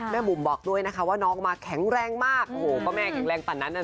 บุ๋มบอกด้วยนะคะว่าน้องมาแข็งแรงมากโอ้โหก็แม่แข็งแรงปั่นนั้นน่ะ